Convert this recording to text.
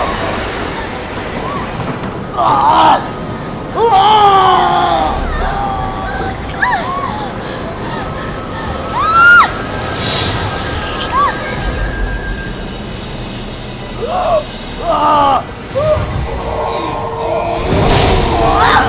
lebih dari seratus tahun domeng orang until sekarang